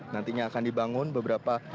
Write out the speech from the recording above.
nantinya akan dibangun beberapa